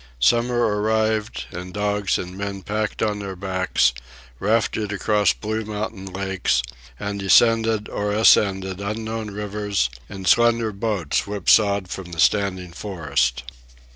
Summer arrived, and dogs and men packed on their backs, rafted across blue mountain lakes, and descended or ascended unknown rivers in slender boats whipsawed from the standing forest.